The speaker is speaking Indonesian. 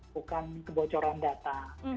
bukan kebocoran data